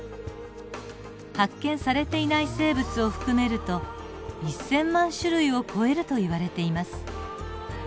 発見されていない生物を含めると１，０００万種類を超えるといわれています。